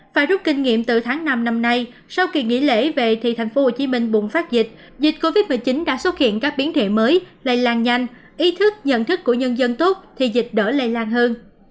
phải rút kinh nghiệm từ tháng năm năm nay sau kỳ nghỉ lễ về thì tp hcm bùng phát dịch dịch covid một mươi chín đã xuất hiện các biến thể mới lây lan nhanh ý thức nhận thức của nhân dân tốt thì dịch đỡ lây lan hơn